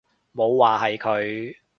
冇話係佢